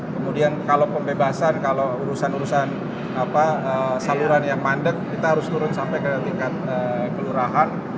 kemudian kalau pembebasan kalau urusan urusan saluran yang mandek kita harus turun sampai ke tingkat kelurahan